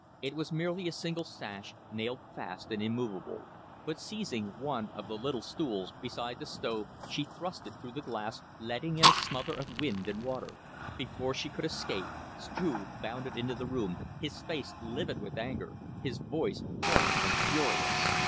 It was merely a single sash, nailed fast and immovable, but seizing one of the little stools beside the stove she thrust it through the glass, letting in a smother of wind and water. Before she could escape, Struve bounded into the room, his face livid with anger, his voice hoarse and furious.